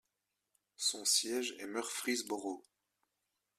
Son siège est Murfreesboro.